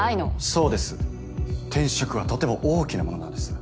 そうです転職はとても大きなものなんです。